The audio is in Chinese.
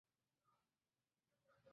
一在今河北省涿鹿县东南。